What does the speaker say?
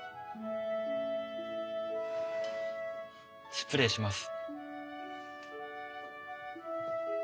失礼します。